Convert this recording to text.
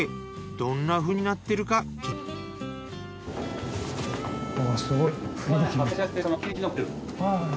どんなふうになってるか気になるね。